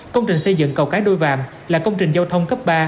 công trình xây dựng cầu cái đôi vàm là công trình giao thông cấp ba